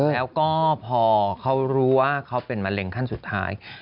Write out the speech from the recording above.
แล้วก็พอเขารู้ว่าเขาเป็นมะเร็งขั้นสุดท้าย